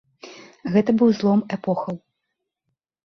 Гэта быў злом эпохаў.